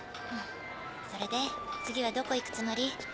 それで次はどこ行くつもり？